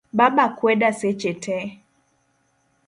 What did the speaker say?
Baba kweda seche tee.